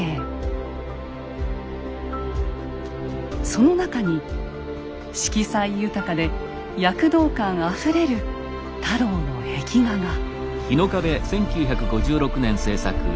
その中に色彩豊かで躍動感あふれる太郎の壁画が。